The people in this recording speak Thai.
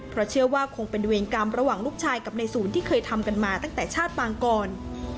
เพราะเชื่อว่าคงเป็นเวรกรรมระหว่างลูกชายกับในศูนย์ที่เคยทำกันมาตั้งแต่ชาติปางก่อน